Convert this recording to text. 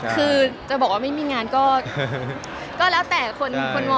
คือจะบอกว่าไม่มีงานก็แล้วแต่คนมอง